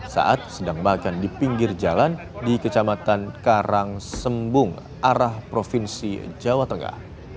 saat sedang makan di pinggir jalan di kecamatan karangsembung arah provinsi jawa tengah